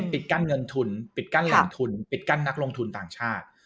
ปิดกั้นเงินทุนปิดกั้นแหล่งทุนปิดกั้นนักลงทุนต่างชาติ